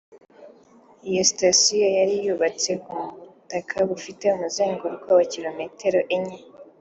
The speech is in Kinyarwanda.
Iyo sitasiyo yari yubatse ku butaka bufite umuzenguruko wa Kilometero enye